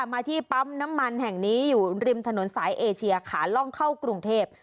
มาที่ปั๊มน้ำมันแห่งนี้อยู่ริมถนนสายเอเชียขาล่องเข้ากรุงเทพ